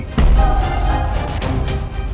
dia yang berbohong untuk menutupi